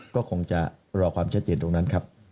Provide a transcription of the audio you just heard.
ก็คงจะรอความชัดเจนตรงนั้นครับ